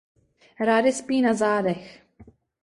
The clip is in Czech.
Rády spí na zádech.